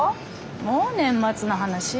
もう年末の話？